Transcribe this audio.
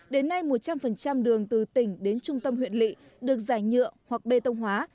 đến nay một trăm linh đường từ tỉnh đến trung tâm huyện lị được giải nhựa hoặc bê tông hóa